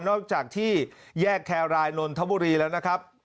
นอกจากที่แยกแครรายนนทบุรีแล้วนะครับ